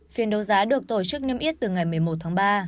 phiên đấu giá được tổ chức niêm yết từ ngày một mươi một tháng ba